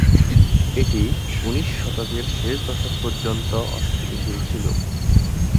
এটি উনিশ শতকের শেষ দশক পর্যন্ত অস্তিত্বশীল ছিল।